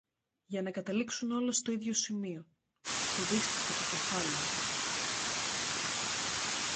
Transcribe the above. για να καταλήξουν όλα στο ίδιο σημείο, το δύστυχο το κεφάλι μου